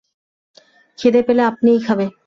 খিদে পেলে আপনিই খাবে।